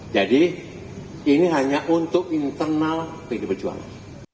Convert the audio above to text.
jadi ini hanya untuk internal pdi perjuangan